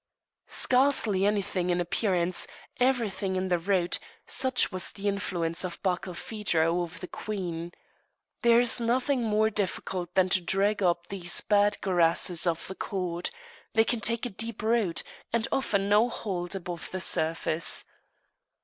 Scarcely anything in appearance, everything in the root, such was the influence of Barkilphedro over the queen. There is nothing more difficult than to drag up these bad grasses of the court they take a deep root, and offer no hold above the surface.